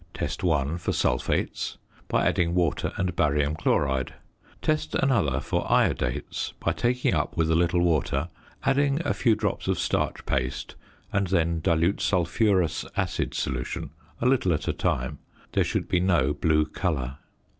Test one for sulphates by adding water and barium chloride. Test another for iodates by taking up with a little water, adding a few drops of starch paste and then dilute sulphurous acid solution a little at a time; there should be no blue colour.